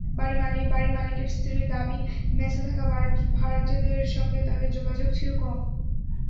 বাড়ির মালিকের স্ত্রীর দাবি, মেসে থাকা ভাড়াটেদের সঙ্গে তাঁদের যোগাযোগ ছিল কম।